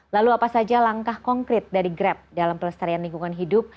lalu apa saja langkah konkret dari grab dalam pelestarian lingkungan hidup